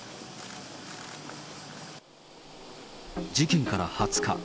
事件から２０日。